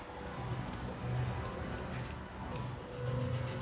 dan kalau kita melakukannya secara baik